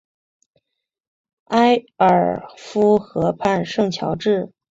埃尔夫河畔圣乔治。